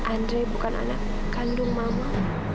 andre bukan anak kandung mama